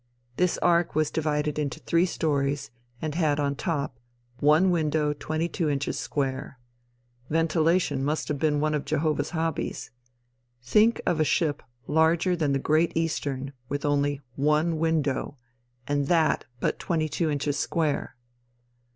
This ark was divided into three stories, and had on top, one window twenty two inches square. Ventilation must have been one of Jehovah's hobbies. Think of a ship larger than the Great Eastern with only one window, and that but twenty two inches square!